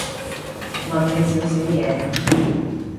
問你少少嘢